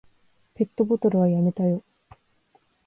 ペットボトルはやめたよ。